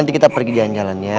nanti kita pergi jalan jalan ya